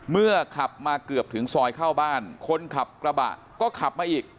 ขับมาเกือบถึงซอยเข้าบ้านคนขับกระบะก็ขับมาอีก